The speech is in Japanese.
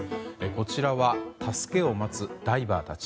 こちらは助けを待つダイバーたち。